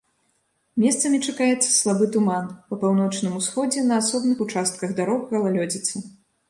Месцамі чакаецца слабы туман, па паўночным усходзе на асобных участках дарог галалёдзіца.